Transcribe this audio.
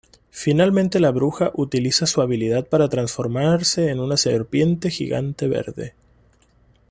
Finalmente la bruja utiliza su habilidad para transformarse en una serpiente gigante verde.